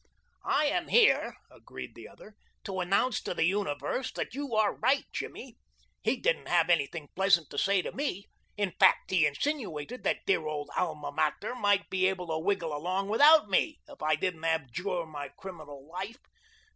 "I am here," agreed the other, "to announce to the universe that you are right, Jimmy. He didn't have anything pleasant to say to me. In fact, he insinuated that dear old alma mater might be able to wiggle along without me if I didn't abjure my criminal life.